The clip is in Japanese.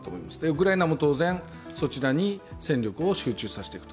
ウクライナも当然、そちらに戦力を集中させていく。